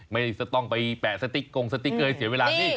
ไม่ต้องไปแปะสติ๊กกงสติ๊กเกยเสียเวลานี่